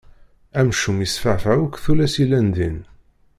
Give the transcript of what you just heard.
Amcum yesferfeɛ akk tullas yellan din.